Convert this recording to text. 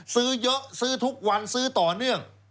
ซื้อเยอะซื้อทุกวันซื้อต่อเนื่อง